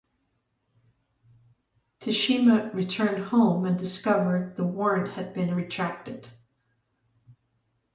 Teshima returned home and discovered the warrant had been retracted.